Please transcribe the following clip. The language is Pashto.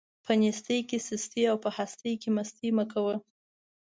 په نيستۍ کې سستي او په هستۍ کې مستي مه کوه.